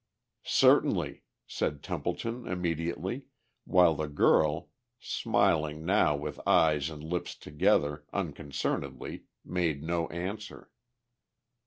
"Certainly," said Templeton immediately, while the girl, smiling now with eyes and lips together, unconcernedly, made no answer.